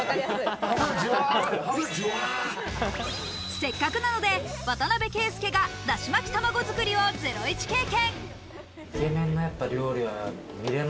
せっかくなので渡邊圭祐がだしまき玉子作りをゼロイチ経験。